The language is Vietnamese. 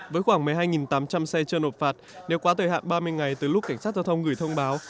với khoảng một mươi hai tám trăm linh xe chưa nộp phạt nếu quá thời hạn ba mươi ngày từ lúc cảnh sát giao thông gửi thông báo